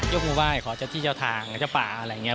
ยกมือไหว้ขอเจ้าที่เจ้าทางหรือเจ้าป่าอะไรอย่างนี้